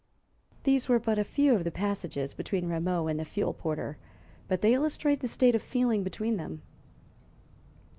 These were but a few of the passages between Rameau and the fuel porter, but they illustrate the state of feeling between them.